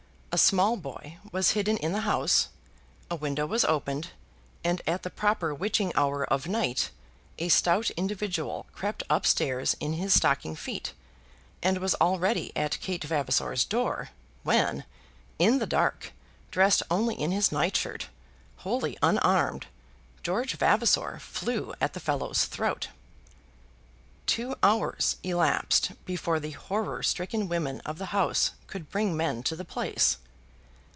A small boy was hidden in the house, a window was opened, and at the proper witching hour of night a stout individual crept up stairs in his stocking feet, and was already at Kate Vavasor's door, when, in the dark, dressed only in his nightshirt, wholly unarmed, George Vavasor flew at the fellow's throat. Two hours elapsed before the horror stricken women of the house could bring men to the place.